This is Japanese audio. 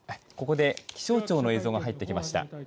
ここで気象庁の映像が入ってきました。